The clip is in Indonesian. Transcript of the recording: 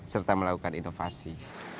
serta melakukan inovasi